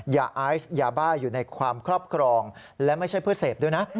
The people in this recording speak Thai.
ยาไอซ์ยาบ้าอยู่ในความครอบครองและไม่ใช่เพื่อเสพด้วยนะ